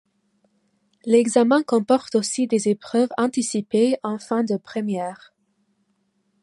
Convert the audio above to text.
L'examen comporte aussi des épreuves anticipées en fin de première.